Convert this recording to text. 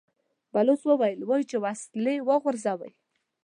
بلوڅ وويل: وايي چې وسلې وغورځوئ!